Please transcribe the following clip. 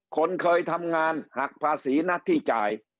คนเคยทำงานหักภาษีหน้าที่จ่าย